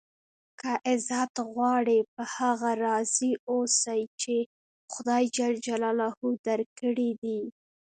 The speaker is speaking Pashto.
که عزت غواړئ؟ په هغه راضي اوسئ، چي خدای جل جلاله درکړي دي.